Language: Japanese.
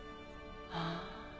ああ。